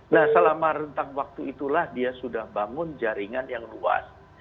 nah selama rentang waktu itulah dia sudah bangun jaringan yang luas